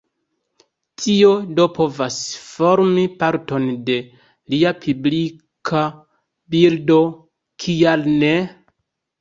Tio do povas formi parton de lia publika bildo, kial ne?